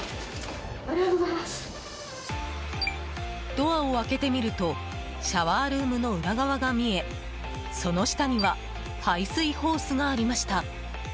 ドアを開けてみるとシャワールームの裏側が見えその下には排水ホースがありました。